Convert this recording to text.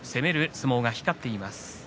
相撲が光っています。